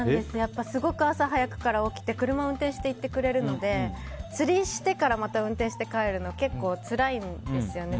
すごく朝早くから起きて車運転して行ってくれるので釣りしてからまた運転して帰るの結構、つらいんですよね。